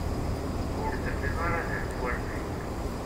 Ur tellid ara d arettwarnay.